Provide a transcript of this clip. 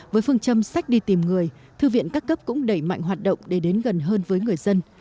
với phương châm sách đi tìm người thư viện các cấp cũng đẩy mạnh hoạt động để đến gần hơn với người dân